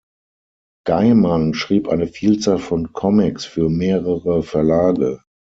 Gaiman schrieb eine Vielzahl von Comics für mehrere Verlage.